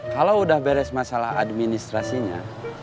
kalau udah beres masalah administrasinya